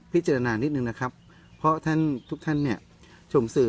จารณนิดนึงนะครับเพราะท่านทุกท่านเนี่ยชมสื่อ